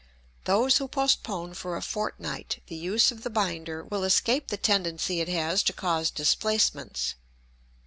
Those who postpone for a fortnight the use of the binder will escape the tendency it has to cause displacements.